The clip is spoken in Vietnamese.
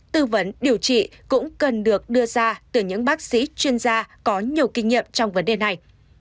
tư vấn điều trị cũng cần được đưa ra từ những bác sĩ chuyên gia có nhiều kinh nghiệm trong vấn đề này